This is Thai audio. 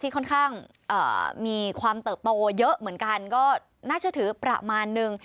ค่อนข้างมีความเติบโตเยอะเหมือนกันก็น่าเชื่อถือประมาณนึง